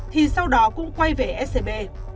thì sau đó cũng quay về scb